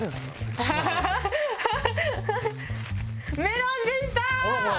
メロンでした！